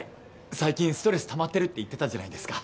最近ストレスたまってるって言ってたじゃないですか。